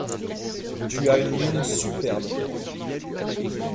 Tu as une mine superbe.